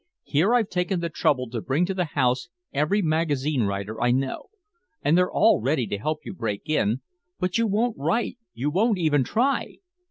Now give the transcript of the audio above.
"Here I've taken the trouble to bring to the house every magazine writer I know. And they're all ready to help you break in but you won't write, you won't even try!"